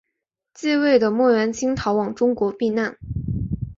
继位的莫元清逃往中国避难。